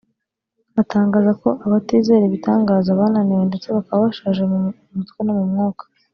atangaza ko abatizera ibitangaza bananiwe ndetse bakaba bashaje mu mutwe no mu mwuka